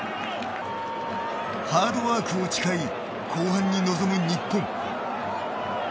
ハードワークを誓い後半に臨む日本。